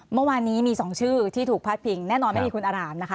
เมื่อวานนี้มี๒ชื่อที่ถูกพัดพิงแน่นอนไม่มีคุณอารามนะคะ